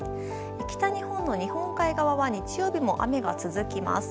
北日本の日本海側は日曜日も雨が続きます。